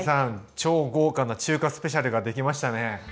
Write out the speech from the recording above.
超豪華な中華スペシャルができましたね！